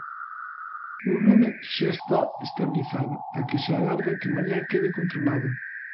Un lume que xa está estabilizado e que se agarda que mañá quede controlado.